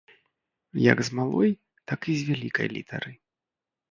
Як з малой, так і з вялікай літары.